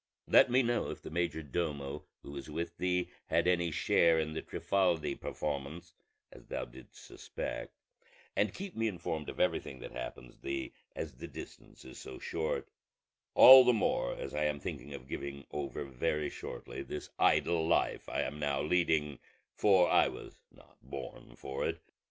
Let me know if the major domo who is with thee had any share in the Trifaldi performance, as thou didst suspect: and keep me informed of everything that happens thee, as the distance is so short; all the more as I am thinking of giving over very shortly this idle life I am now leading, for I was not born for it.